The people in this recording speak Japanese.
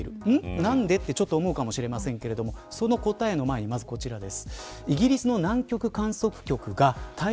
何でと思うかもしれませんがその答えの前にまずこちらです。